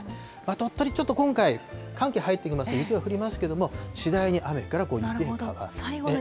鳥取、ちょっと今回、寒気入ってきます、雪が降りますけれども、次第に雨から雪に変わる。